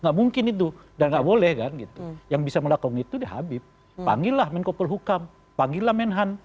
enggak mungkin itu dan enggak boleh kan gitu yang bisa melakukan itu deh habib panggillah menko pelhukam panggillah menhan